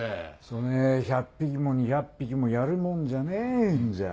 そねぇ１００匹も２００匹もやるもんじゃねえんじゃ。